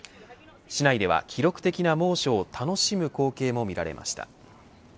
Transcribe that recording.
市内では記録的な猛暑を楽しむ光景も見られました。